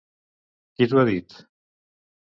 Qui t'ho ha dit?